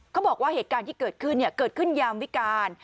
เขาบอกว่าเหตุการณ์ที่เกิดขึ้นเกิดขึ้นยามวิการ